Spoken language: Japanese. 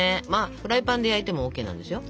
フライパンで焼いてもＯＫなんですよ。